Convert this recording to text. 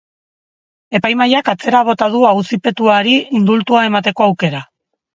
Epaimahaiak atzera bota du auzipetuari indultua emateko aukera.